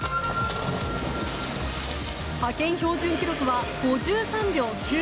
派遣標準記録は５３秒９６。